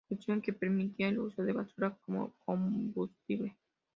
Fusion", que permitía el uso de basura como combustible.